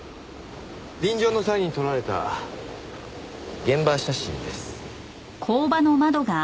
臨場の際に撮られた現場写真です。